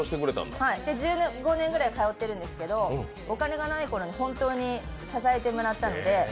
１５年ぐらい通ってるんですけどお金がないころに本当に支えてもらったんで。